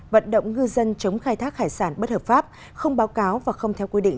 vận động ngư dân chống khai thác hải sản bất hợp pháp không báo cáo và không theo quy định